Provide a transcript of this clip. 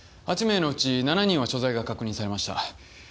８名のうち７人は所在が確認されました。